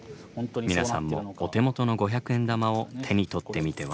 皆さんもお手元の五百円玉を手に取ってみては？